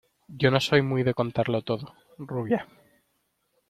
yo no soy muy de contarlo todo, rubia.